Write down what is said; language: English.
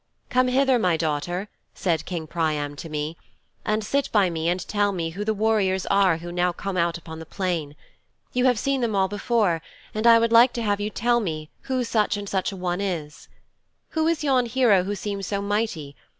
"Come hither, my daughter," said King Priam to me, "and sit by me and tell me who the warriors are who now come out upon the plain. You have seen them all before, and I would have you tell me who such and such a one is. Who is yon hero who seems so mighty?